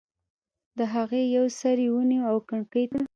د هغې یو سر یې ونیو او کړکۍ ته یې کش کړ